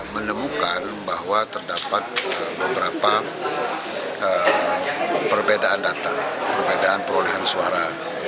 menemukan bahwa terdapat beberapa perbedaan data perbedaan perolehan suara